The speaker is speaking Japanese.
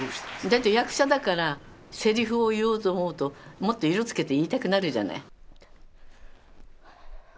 だって役者だからセリフを言おうと思うともっと色つけて言いたくなるじゃない。